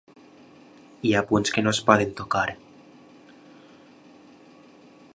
Hi ha punts que no es poden tocar.